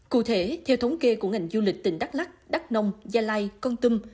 cụ thể theo thống kê của ngành du lịch tỉnh đắk lắc đắk nông gia lai con tâm